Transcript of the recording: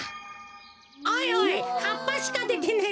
おいおいはっぱしかでてねえぞ。